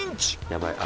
やばい。